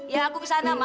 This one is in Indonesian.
ya aku kesana ma